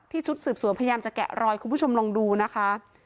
ชุดสืบสวนพยายามจะแกะรอยคุณผู้ชมลองดูนะคะ